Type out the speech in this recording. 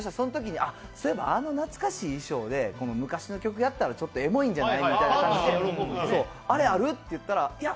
そういえばあの懐かしい衣装で昔の曲やったらちょっとエモいんじゃない？みたいな感じで、あれある？って聞いたらいや